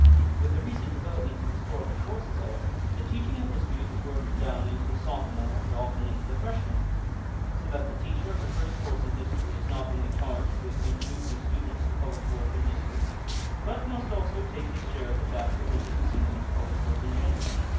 With the recent development of historical courses, however, the teaching of history has worked down into the sophomore and often into the freshman year, so that the teacher of the first course in history is not only charged with introducing students to college work in history, but must also take his share of the task of introducing them to college work in general.